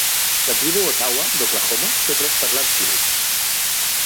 La tribu Ottawa d'Oklahoma té tres parlants fluids.